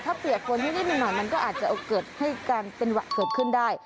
ถ้าเปียกฝนให้นิดหน่อยมันก็อาจจะเกิดให้การเป็นหวัดเกิดขึ้นได้